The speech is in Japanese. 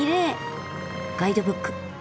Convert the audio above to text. ガイドブック。